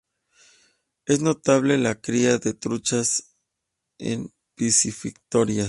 Es notable la cría de truchas en piscifactoría.